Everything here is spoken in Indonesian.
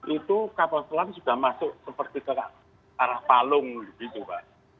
itu kapal selam sudah masuk seperti ke arah palung begitu pak